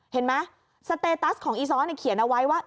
เห็นไหมสเตตัสของอีซ้อเขียนเอาไว้ว่า